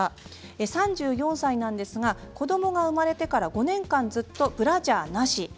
３４歳なんですが、子どもが生まれてから５年間ずっとブラジャーなし。